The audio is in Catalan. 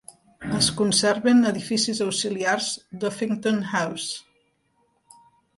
Es conserven edificis auxiliars d'Uffington House.